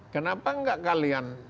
kenapa enggak kalian